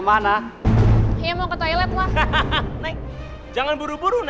mendingan kalian minggir deh berdua